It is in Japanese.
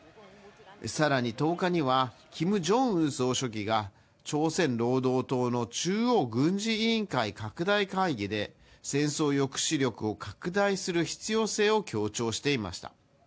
更に１０日にはキム・ジョンウン総書記が朝鮮労働党の中央軍事委員会拡大会議で戦争抑止力を拡大する必要性を強調していました。